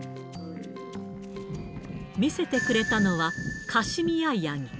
見せてくれたのは、カシミヤヤギ。